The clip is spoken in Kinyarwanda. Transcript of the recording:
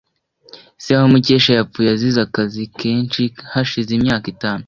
Se wa Mukesha yapfuye azize akazi kenshi hashize imyaka itanu.